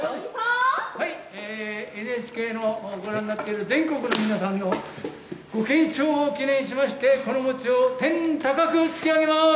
ＮＨＫのご覧になっている全国の皆さんのご健勝を祈念しまして、この餅を天高く突き上げます。